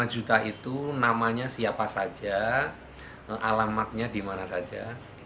lima juta itu namanya siapa saja alamatnya di mana saja